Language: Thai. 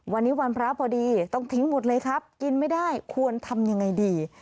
วันนี้วันพระพอดีต้องทิ้งหมดเลยครับกินไม่ได้ควรทำยังไงดี